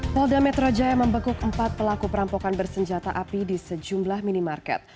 polda metro jaya membekuk empat pelaku perampokan bersenjata api di sejumlah minimarket